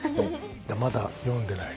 まだ読んでない。